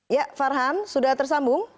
ya farhan sudah tersambung